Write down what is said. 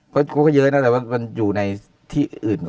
ก็เป็นเยอะอีกแล้วแต่จะอยู่ในที่อื่น